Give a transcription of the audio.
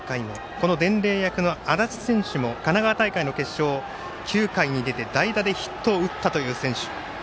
この伝令役の安達選手も神奈川大会の決勝９回に出て代打でヒットを打ったという選手。